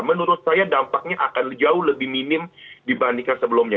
menurut saya dampaknya akan jauh lebih minim dibandingkan sebelumnya